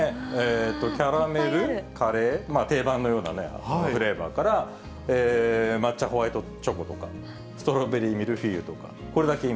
キャラメル、カレー、定番のようなね、フレーバーから、抹茶ホワイトチョコとか、ストロベリーミルフィーユとか、これだけ今。